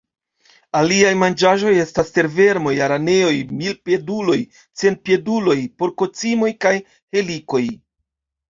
Aliaj manĝaĵoj estas tervermoj, araneoj, milpieduloj, centpieduloj, porkocimoj kaj helikoj.